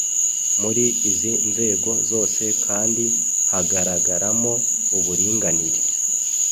Muri izi nzego zose kandi hagaragaramo uburinganire